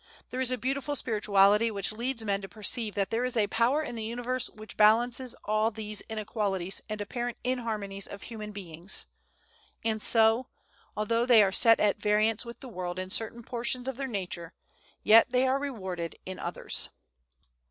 There is a beautiful spirituality which leads men to perceive that there is a power in the universe which balances all these inequalities and apparent inharmonies of human beings; and so, although they are set at variance with the world in certain portions of their nature, yet they are rewarded in others.